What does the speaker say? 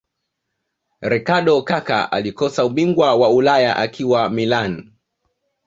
ricardo kaka alikosa ubingwa wa ulaya akiwa Milan